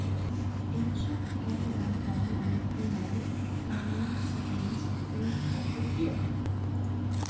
Ancient Kalibangan and Kunal, Haryana settlements obtained copper here.